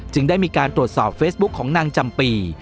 ได้มีการตรวจสอบเฟซบุ๊คของนางจำปี